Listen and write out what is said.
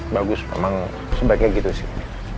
bagus memang sebaiknya gitu sih